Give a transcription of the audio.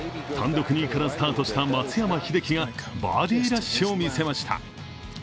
単独２位からスタートした松山英樹がバーディーラッシュをみせました。